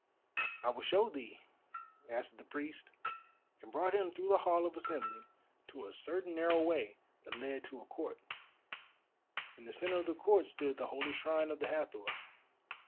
"I will show thee," answered the priest, and brought him through the Hall of Assembly to a certain narrow way that led to a court. In the centre of the court stood the holy shrine of the Hathor.